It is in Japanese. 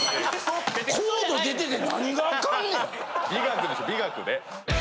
美学でしょ美学で。